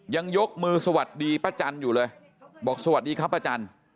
ยังยกมือสวัสดีป้าจันทร์อยู่เลยบอกสวัสดีครับป้าจันทร์